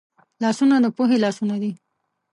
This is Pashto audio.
لاسونه د پوهې لاسونه دي